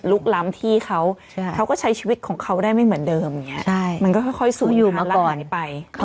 ลุกล้ำที่เขาเขาก็ใช้ชีวิตของเขาได้ไม่เหมือนเดิมมันก็ค่อยสูญหลายไป